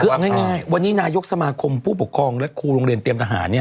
คือเอาง่ายวันนี้นายกสมาคมผู้ปกครองและครูโรงเรียนเตรียมทหาร